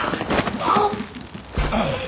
あっ。